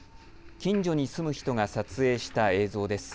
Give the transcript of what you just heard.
近所に住む人が撮影した映像です。